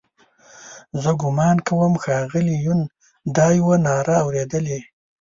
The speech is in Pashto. زه ګومان کوم ښاغلي یون دا یوه ناره اورېدلې.